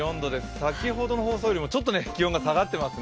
先ほどの放送よりも、ちょっと気温が下がっていますね。